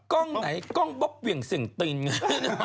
กล้องไหนกล้องปุ๊บเหวี่ยงเสียงตีนไง